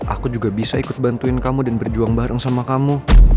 aku juga bisa ikut bantuin kamu dan berjuang bareng sama kamu